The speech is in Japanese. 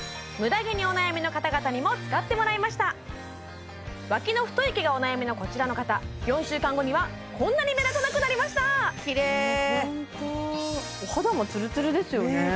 ムダ毛にお悩みの方々にも使ってもらいました脇の太い毛がお悩みのこちらの方４週間後にはこんなに目立たなくなりましたきれいホントお肌もつるつるですよね